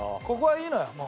ここはいいのよ